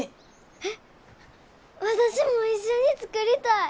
えっ私も一緒に作りたい！